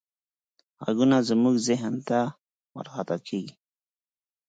غږونه زموږ ذهن ته ورخطا کېږي.